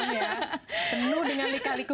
penuh dengan lika liku